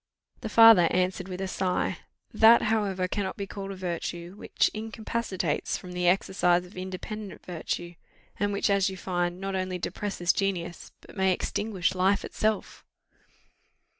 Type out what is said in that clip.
The father answered with a sigh, "that, however, cannot be called a virtue, which incapacitates from the exercise of independent virtue, and which, as you find, not only depresses genius, but may extinguish life itself."